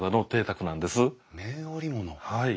はい。